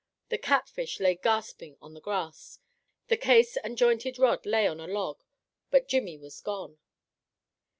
The catfish lay gasping on the grass, the case and jointed rod lay on a log, but Jimmy was gone.